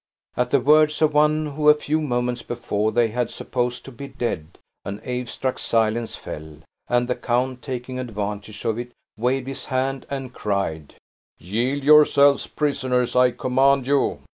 At the words of one who, a few moments before, they had supposed to be dead, an awestruck silence fell; and the count, taking advantage of it, waved his hand, and cried, "Yield yourselves prisoners, I command you!